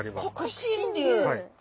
はい。